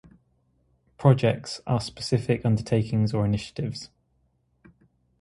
"Projects" are specific undertakings or initiatives.